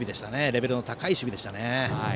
レベルの高い守備でした。